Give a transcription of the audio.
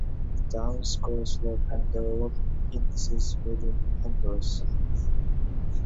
The town scores low on development indices within Honduras.